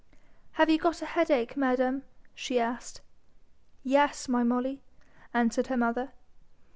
'Have you got a headache, madam?' she asked. 'Yes, my Molly,' answered her mother.